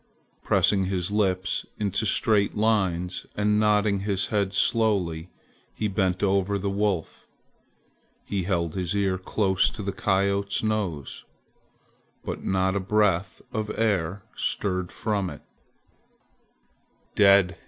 Pressing his lips into straight lines and nodding his head slowly, he bent over the wolf. He held his ear close to the coyote's nose, but not a breath of air stirred from it. "Dead!"